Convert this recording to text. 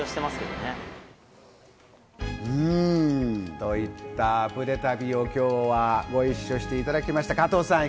といったアプデ旅を今日はご一緒していただきました。